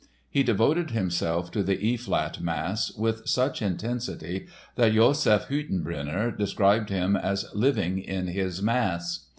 He devoted himself to the E flat Mass with such intensity that Josef Hüttenbrenner described him as "living in his Mass."